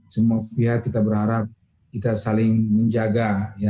semua pihak kita berharap kita saling menjaga